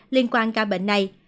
liên quan ca bệnh này